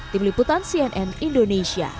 tim liputan cnn indonesia